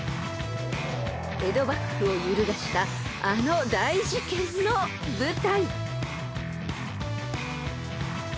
［江戸幕府を揺るがしたあの大事件の舞台］